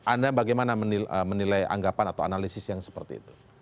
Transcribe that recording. anda bagaimana menilai anggapan atau analisis yang seperti itu